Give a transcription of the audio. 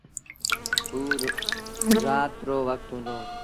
اوٚ رآت رو وکت هُݩدو۔